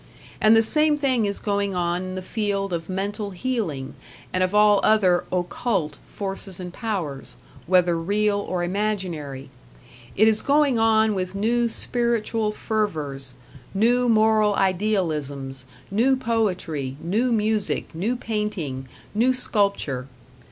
And the same thing is going on in the field of mental healing, and of all other "occult" forces and powers, whether real or imaginary. It is going on with new spiritual fervors, new moral idealisms, new poetry, new music, new painting, new sculpture.